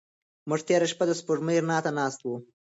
موږ تېره شپه د سپوږمۍ رڼا ته ناست وو.